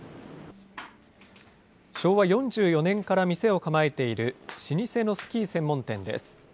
昭和４４年から店を構えている老舗のスキー専門店です。